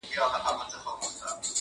ما در وبخښل لس كاله نعمتونه!!